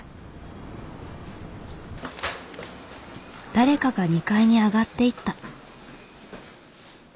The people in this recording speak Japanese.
誰かが２階に上がっていった。